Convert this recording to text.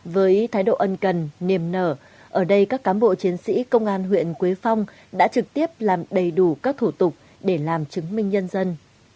với thái độ ân cần niềm nở ở đây các cám bộ chiến sĩ công an huyện quế phong đã trực tiếp làm đầy đủ các thủ tục để làm chứng minh nhân dân